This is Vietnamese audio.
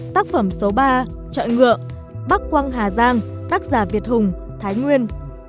tác phẩm số ba chọi ngựa bắc quăng hà giang tác giả việt hùng thái nguyên